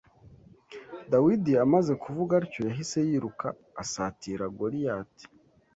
Dawidi amaze kuvuga atyo yahise yiruka asatira Goliyati